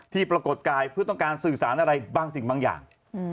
ปรากฏกายเพื่อต้องการสื่อสารอะไรบางสิ่งบางอย่าง